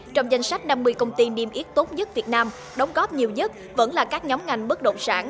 trong danh sách năm mươi công ty niêm yết tốt nhất việt nam đóng góp nhiều nhất vẫn là các nhóm ngành bất động sản